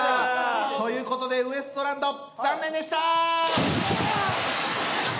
ということでウエストランド残念でした！